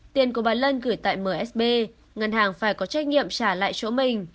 tiền của bà lân gửi tại msb ngân hàng phải có trách nhiệm trả lại chỗ mình